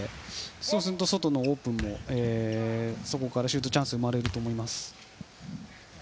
そうすると、外のオープンもそこからシュートチャンスが生まれると思います。